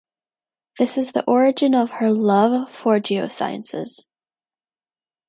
This is the origin of her love for geosciences.